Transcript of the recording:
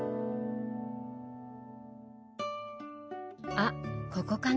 あここかな？